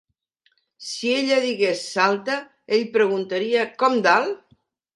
Si ella digués "Salta", ell preguntaria "Com d'alt?"